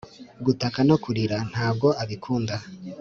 Gutaka no kurira ntago abikunda